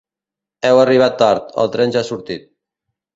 Heu arribat tard: el tren ja ha sortit.